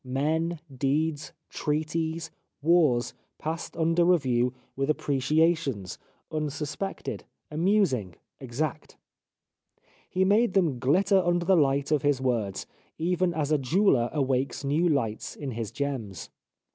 Men, deeds, treaties, wars passed under re view with appreciations, unsuspected, amusing, 291 The Life of Oscar Wilde exact. He made them glitter under the hght of his words, even as a jeweller awakes new lights in his gems.